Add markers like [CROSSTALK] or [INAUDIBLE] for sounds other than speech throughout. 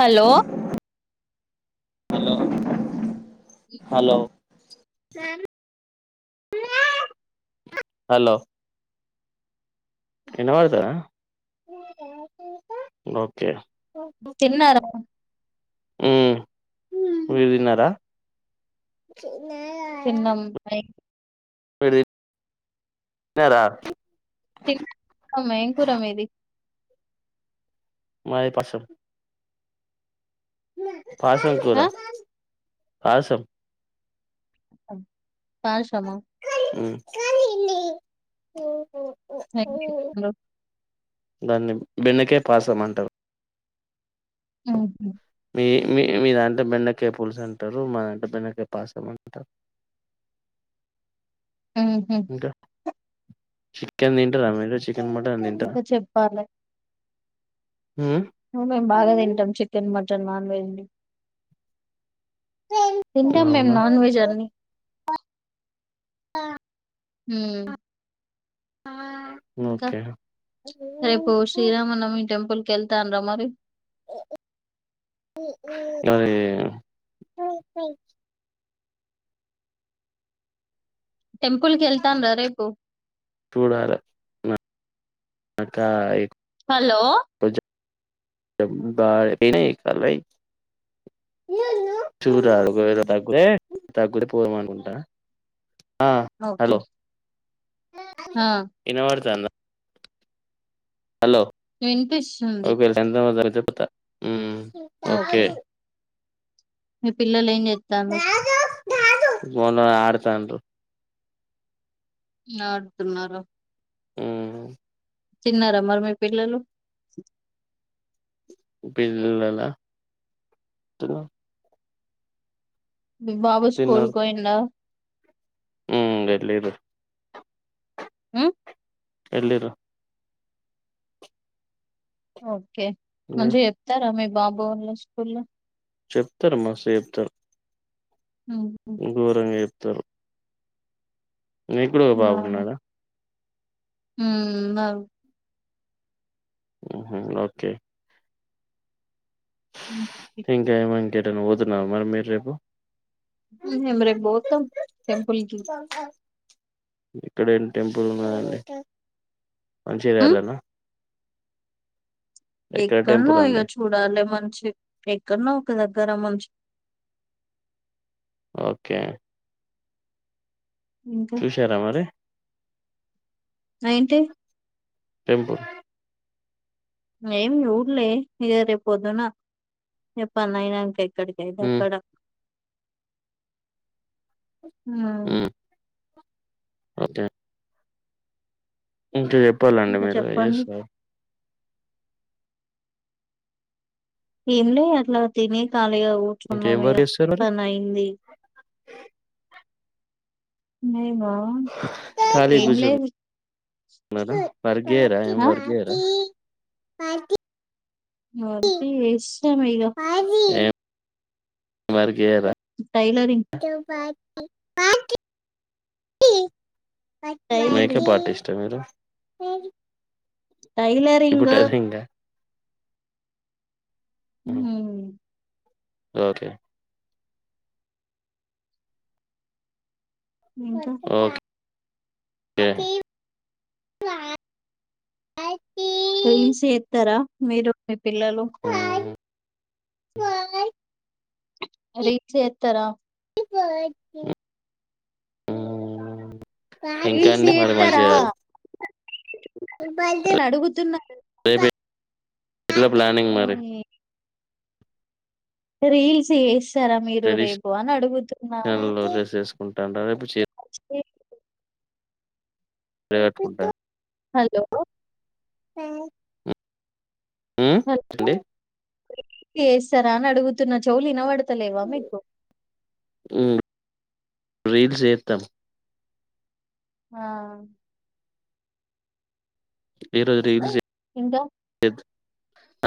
Hello hello hello వినబడుతదా okay తిన్నారా హ్మ్ మీరు తిన్నారా తిన్నం [UNINTELLIGIBLE] [INAUDIBLE] తిన్నారా [INAUDIBLE] ఏం కుర మీది మాది పాసం పాసల కూర ఆ పాయిసం పాయిసమ ఉమ్ [UNINTELLIGIBLE] దాన్ని బెండకాయ్ పాసం అంటారు ఉ హా ఈ మీ మీ దంటో బెండకాయ్ పుల్స్ అంటారు మా దాంటే బెండకాయ్ పాసం అంటారు ఉ హు ఇంకా చికెన్ తింటారా మీరు చిక్ ఇంకా చెప్పాలే ఉమ్ మేం బాగా తింటాం చికెన్ మా వేజ్ నన్ వేజ్ తింటాం మేం అవునా నాన్ వెజ్ అన్ని ఆ హ ఆ ఇంకా రేపు శ్రీరామనవమి టెంపుల్ కెల్తన్నర మరి అది టెంపుల్కి వెళ్తాన రా రేపు కా హలో బ కాల [UNINTELLIGIBLE] మ్మ్. [UNINTELLIGIBLE] తగ్గుడు పోదాం అనుకుంటా ఆ ఓకే హలో ఆ వినపడతాంద హలో వినిపిస్తుంది ఒకే [UNINTELLIGIBLE] చెప్తా ఉ ఓకే మీ పిల్లలు ఏం చేస్తా అన్నారు ఫోన్ లో ఆడతా ఉన్నారు ఆడుతున్నార ఉ తిన్నారా మరి మీ పిల్లలు పిల్లల దురు మీ బాబు స్కూల్ కి ఓయిండా ఉ ఏలీరు ఉ ఎలిండ్రు ఆవు ఓకే మంచిగ చెప్తార మీ బాబు వల్లా స్కూల్ లో చెప్తారమ్మా మస్తు చెప్తారు హుహు. [UNINTELLIGIBLE] గోరంగా చే త్తరు మీ పిల్లోడు బాగున్నాడా ఉమ్ బాగు ఉహు ఓకే హ్మ్. ఇంకా ఏమి ఇంకా ఎక్కడ అన్నా పోతున్నారా మరి మీరు రేపు ఉహు మేము రేపు పోతాం టెంపుల్ కి ఇక్కడ ఏమి టెంపుల్ ఉన్నాయండి మంచిగ హ్మ్. చేయాలన ఎక్కడనో టెంపుల్ అండి ఇక చూడాలి మంచి ఎక్కడనో ఒక దగ్గర మం ఓకే ఇంకా చూసారా మరి ఏంటి? టెంపుల్ ఏమి చూడ్లే ఇగ రేపు పొద్దున ఎప్పన్నానా ఇంకా ఎక్కడికైతే ఉమ్ అక్కడ ఉమ్ అదే ఇంకా చెప్ చెప్పాలండి ఇంకా మీరు ఏం చెప్పండి. చేస్తారు ఏం లే అట్లా తిని కాలి ఇగా ఇంకేం కూర్చున్నాం ఇగ వర్క్ చేస్తారు మరి పని అయింది నే ఖాళీ కూర్చొని ఉన్నారా వర్క్ చేయరా ఏం ఆ? వర్క్ చేయరా పార్కింగ్ వర్క్ చేస్తా మిగా మరి చేయరా టైలరింగ్ అ టైలరింగ్ మేకప్ ఆర్టిస్ట్ ఆ మీరు [INAUDIBLE] ఇప్పుడు టైలరింగ్ టైలరింగ్ ఆ హ్మ్ హలో ఓకే ఇంకా ఓకే రీల్స్ చేత్తర మీరు ఎప్. పిల్లలు ఓయ్ రీల్ చేత్తర ఇవాట్ ఇ ఆహ్హ్హ్ ఇంకా రీల్స్ అండి పది మంది చేత్తరా చేయ్యాల. నేను అడుగుతున్నాను ఇలా ప్లానింగ్ మరి రీల్స్ జేస్ త్తరా మీరు రేపు ట్రెడిషనల్ అని అడుగుతున్నాను. ఉంటాన్ ర రేపు చే రేప్ రేపు ఉంటాయ్ హలో ప హ్మ్ ఏంటి ఎస్సార అను అడుగుతున్నా చౌలు ఇనబడ్. తెలేవ మీకు రీల్ చేత్తం ఆహ్ ఈ రోజు రీల్ చే ఇంక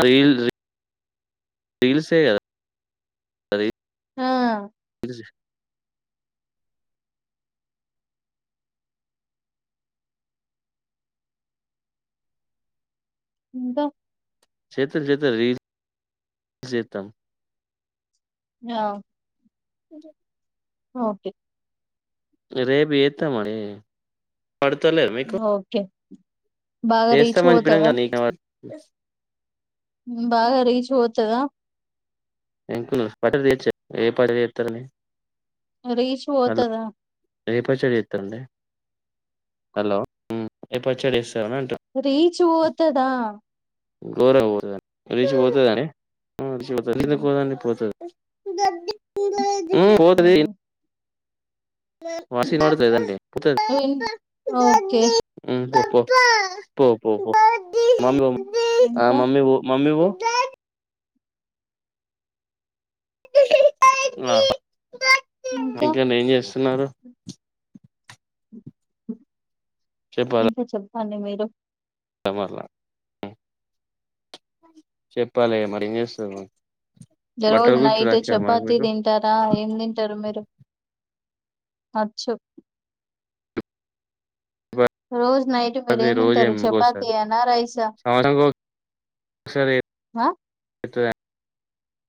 రీల్ రె రీల్సే గదా రీల్ ఆహ్ జ ఇంక చేతం చేతం రీల్ చేతం ఆహ్ ఇర్రు ఓకే రే రేపు ఎత్తమ అరే పడతలేద మీకు ఓకే బాగా రీచ్ చేస్తాం అనిపిన పోతదా కదా నీక బస్ బాగా రీచ్ పోతదా ఇంకు పట తీచ్చ ఏ పట చెప్తారని రీచ్ పోతదా రేపా చెడి ఇస్తండి హలో రేపా చెడి రీచ్ ఓతదా గోరంగా పోతుదా రీజ పోతుదాని హ్మ్. లేదకోదండి పోతది గది పడ హుమ్మ్ పోతది హ్మ్. వాసి నోడుతుాదండి ఓకే మ [INAUDIBLE] ఆ ఇంకా? మమ్మీ వో మమ్మీ వో [UNINTELLIGIBLE] ఆ ఇంకా? ఇంకేమీ ఏం చేస్త చిన్నారు ఇంకా చ అండి మీరు కమర్నా చెప్పాలి మరి ఏం చేస్తుర్రు రోజు నైట్ చపాతి మీకు తింటారా ఏం తింటారు మీరు అచ రోజ నైట్ మీరు అది ఏం రోజు తింటారు చపాతి ఏమికోసారి అనా రైసా సంవత్సరానికి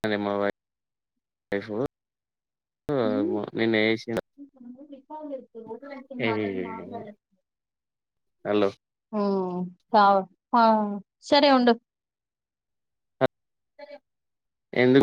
అనే మా వై వైఫు నిను వస ఒక వసన్ మాట మాట్లా హలో చ సరే ఉండు ఎందు